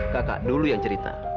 kakak dulu yang cerita